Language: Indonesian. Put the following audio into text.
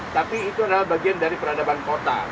tapi itu adalah bagian dari peradaban kota